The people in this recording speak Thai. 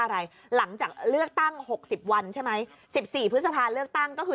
อะไรหลังจากเลือกตั้ง๖๐วันใช่ไหม๑๔พฤษภาเลือกตั้งก็คือ